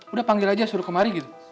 udah panggil aja suruh kemari gitu